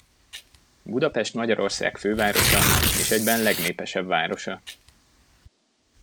Budapest Magyarország fővárosa, és egyben legnépesebb városa.